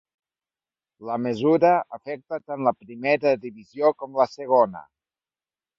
La mesura afecta tant la primera divisió com la segona.